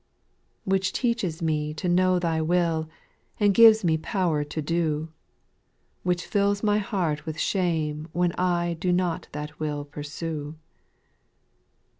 / 4. I "Which teaches me to know Thy will, And gives me power to do ; Which fills my heart with shame when I Do not that will pursue.